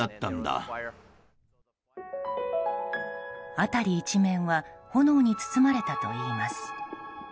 辺り一面は炎に包まれたといいます。